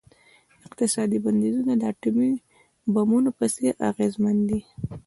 اقتصادي بندیزونه د اټومي بمونو په څیر اغیزمن دي.